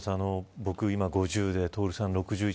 僕、今５０で徹さん、６１。